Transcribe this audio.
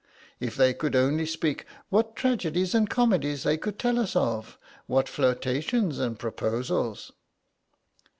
If they could only speak, what tragedies and comedies they could tell us of, what flirtations and proposals."